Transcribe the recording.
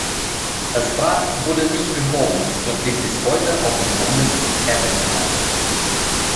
Das Wrack wurde nicht gehoben und liegt bis heute auf dem Grund des Ärmelkanals.